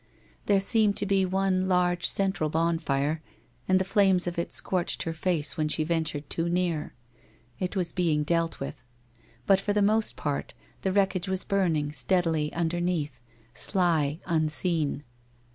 There seemed to be one large central bonfire, and the flames of it scorched her face when she ventured too near. It was being dealt with. But for the most part the wreckage was burning steadily underneath, sly, un seen.